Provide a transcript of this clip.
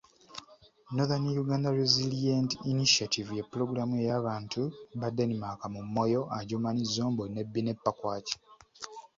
Nothern Uganda Resilient Initiative ye pulogulaamu ey'abantu ba Denmark mu Moyo, Adjumani, Zombo, Nebbi ne Pakwach.